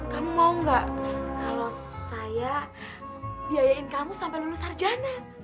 kamu mau gak kalau saya biayain kamu sampai lulus sarjana